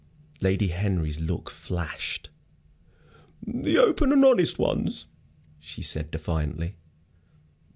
Lady Henry's look flashed. "The open and honest ones," she said, defiantly.